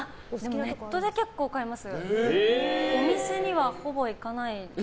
ネットで結構買います。